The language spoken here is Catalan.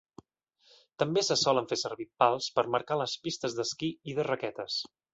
També se solen fer servir pals per marcar les pistes d'esquí i de raquetes.